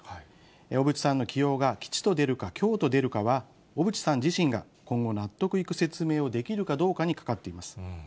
小渕さんの起用が吉と出るか、凶と出るかは、小渕さん自身が今後、納得いく説明をできるかどうかにかかっています。